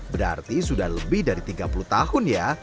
berarti sudah lebih dari tiga puluh tahun ya